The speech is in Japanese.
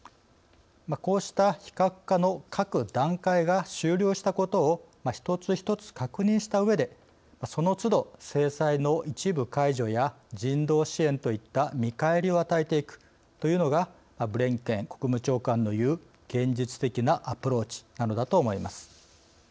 こうした非核化の各段階が終了したことを一つ一つ確認したうえでそのつど、制裁の一部解除や人道支援といった見返りを与えていく、というのがブリンケン国務長官の言う現実的なアプローチなのだと思います。